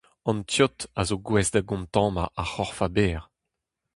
An teod a zo gouest da gontammañ ar c’horf a-bezh.